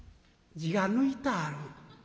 「字が抜いたある？」。